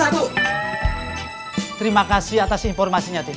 terima kasih atas informasinya